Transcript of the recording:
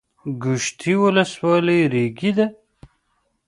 ګوشتې ولسوالۍ ریګي ده؟